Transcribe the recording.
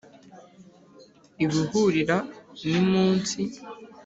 ibuhirira nimunsi